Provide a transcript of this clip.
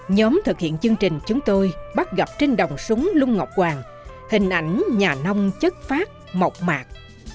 nhóm thực hiện chương trình chúng tôi bắt gặp trên đồng súng lung ngọc hoàng hình ảnh nhà nông chất phát mộc mạc